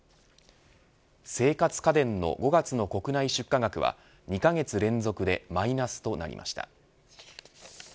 生活家電の５月の国内出荷額は２カ月連続でマイナスとなりました。